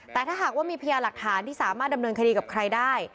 แต่ถ้าหากว่ามีพยาหลักฐานที่สามารถดำเนินคดีกับใครได้